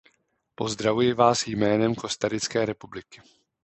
Pozdravuji vás jménem Kostarické republiky.